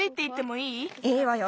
いいわよ